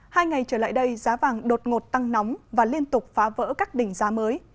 hai ngày trở lại đây giá vàng đột ngột tăng nóng và liên tục phá vỡ các đỉnh giá mới